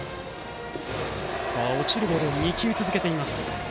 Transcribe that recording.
落ちるボールを２球続けています。